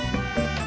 gak ada de